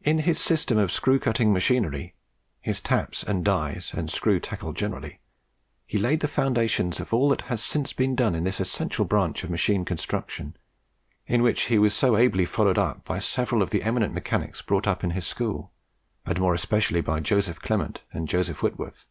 In his system of screw cutting machinery, his taps and dies, and screw tackle generally, he laid the foundations of all that has since been done in this essential branch of machine construction, in which he was so ably followed up by several of the eminent mechanics brought up in his school, and more especially by Joseph Clement and Joseph Whitworth.